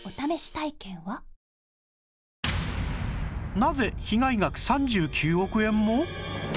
なぜ被害額３９億円も？